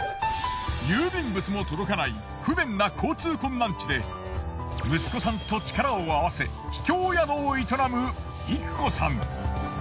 郵便物も届かない不便な交通困難地で息子さんと力を合わせ秘境宿を営むいく子さん。